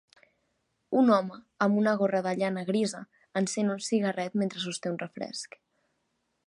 Un home amb una gorra de llana grisa encén un cigarret mentre sosté un refresc.